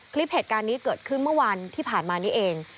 คลิปเหตุการณ์นี้เกิดขึ้นเมื่อวันที่ผ่านมานี้เอง